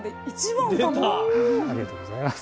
ありがとうございます。